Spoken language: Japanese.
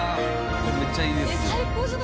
ここめっちゃいいですよ。